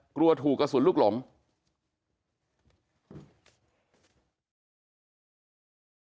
กลัวถูกกระสุนลูกหลง